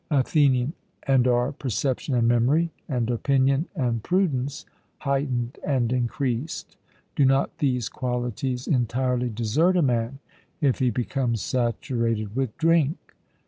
ATHENIAN: And are perception and memory, and opinion and prudence, heightened and increased? Do not these qualities entirely desert a man if he becomes saturated with drink?